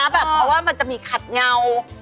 เพราะว่ามันจะมีขัดเงา